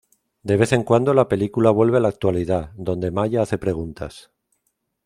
De vez en cuando la película vuelve a la actualidad, donde Maya hace preguntas.